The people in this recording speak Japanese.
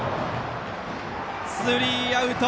スリーアウト。